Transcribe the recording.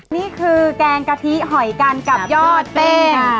นี่คือแกงกะทิหอยกันกับยอดแป้ง